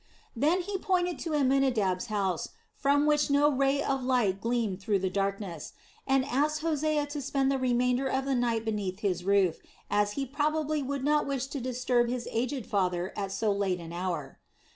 Then he pointed to Amminadab's house, from which no ray of light gleamed through the darkness, and asked Hosea to spend the remainder of the night beneath his roof, as he probably would not wish to disturb his aged father at so late an hour.